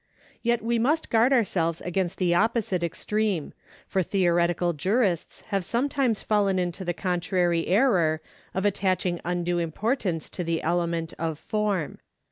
Yet we must guard ourselves against the opposite extreme, for theoretical jurists have sometimes fallen into the contrary error of attaching undue importance to the element of form.